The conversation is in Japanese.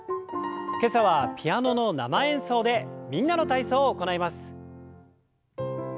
今朝はピアノの生演奏で「みんなの体操」を行います。